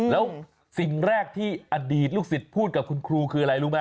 แล้วสิ่งแรกที่อดีตลูกศิษย์พูดกับคุณครูคืออะไรรู้ไหม